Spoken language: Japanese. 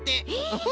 フフ